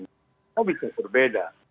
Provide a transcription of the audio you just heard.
itu bisa berbeda